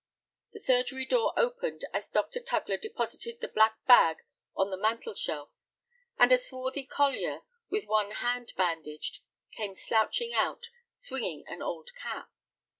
The surgery door opened as Dr. Tugler deposited the black bag on the mantel shelf, and a swarthy collier, with one hand bandaged, came slouching out, swinging an old cap.